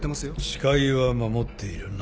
誓いは守っているな？